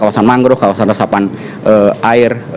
kawasan mangrove kawasan resapan air